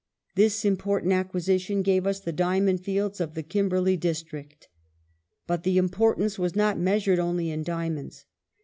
This im poi tant acquisition gave us the diamond fields of the Kimberley district. But the importance was not measured only in diamonds.